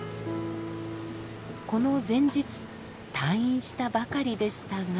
この前日退院したばかりでしたが。